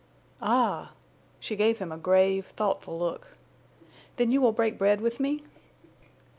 "Ah!" She gave him a grave, thoughtful look. "Then you will break bread with me?"